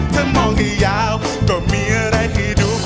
ถ้ามองให้ยาวจนมีอะไรให้ดู